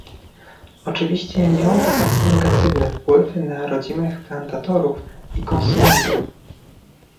Oczywiście miało to bardzo negatywny wpływ na rodzimych plantatorów i konsumentów